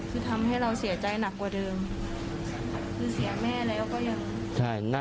ก็ทำให้เราเสียใจหนักกว่าเดิม